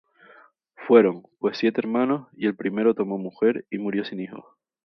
Fueron, pues, siete hermanos: y el primero tomó mujer, y murió sin hijos.